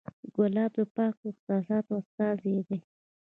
ګلاب د پاکو احساساتو استازی دی.